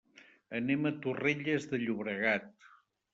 Anem a Torrelles de Llobregat.